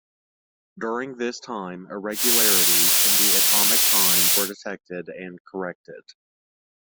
During this time, irregularities in the atomic time were detected and corrected.